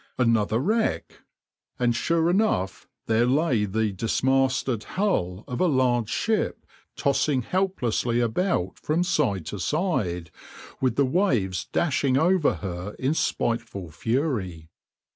Another wreck! And sure enough there lay the dismasted hull of a large ship tossing helplessly about from side to side, with the waves dashing over her in spiteful fury.